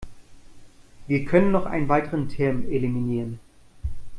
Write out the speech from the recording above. Wir können noch einen weiteren Term eliminieren.